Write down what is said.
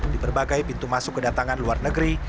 di berbagai pintu masuk kedatangan luar negeri